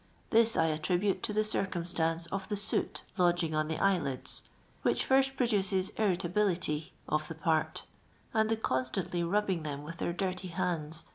This 1 attribute tu the circumstance of the soot h»d«;intf on the eyeiid». which fir«si pro dutes iriit.ihi'.ity of thi> ]iart, und the constantly ni!dii]i>r them with tht ir nirty hand*.